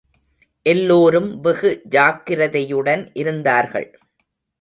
எல்லோரும் வெகு ஜாக்கிரதையுடன் இருந்தார்கள்.